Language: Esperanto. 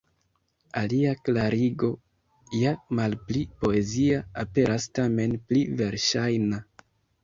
Alia klarigo, ja malpli poezia, aperas tamen pli verŝajna.